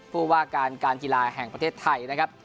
ผู้ว่าการการกีฬาแห่งประเทศไทยนะครับ